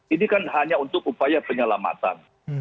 ini kan hanya untuk upaya penyelamatan